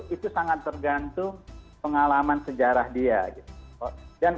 itu sangat tergantung pengalaman sejarah dia